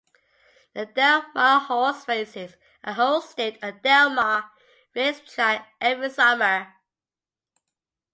The Del Mar Horse Races are hosted on the Del Mar racetrack every summer.